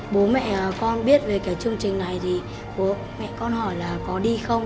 bố mẹ con biết về cái chương trình này thì bố mẹ con hỏi là có đi không